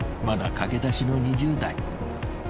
まだ駆け出しの２０代。